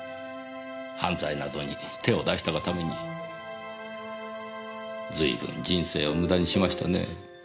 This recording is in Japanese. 犯罪などに手を出したがために随分人生を無駄にしましたねえ。